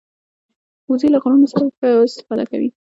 وزې له غرونو ښه استفاده کوي